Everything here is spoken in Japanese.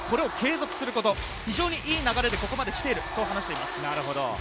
後半はこれを継続すること、非常にいい流れでここまで来ていると話しています。